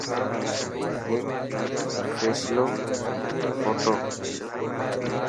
هيڪ فيصلي ڦوٽو.